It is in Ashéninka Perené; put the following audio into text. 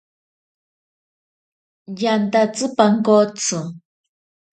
Yantatsi pankotsi.